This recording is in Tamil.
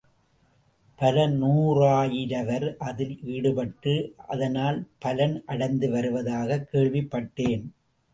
பல நூறாயிரவர் அதில் ஈடுபட்டு அதனால் பலன் அடைந்து வருவதாகக் கேள்விப்பட்டேன்.